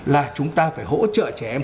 là chúng ta phải hỗ trợ trẻ em